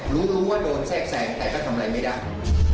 รู้ว่าโดนแทรกแสงแต่ก็ทำอะไรไม่ได้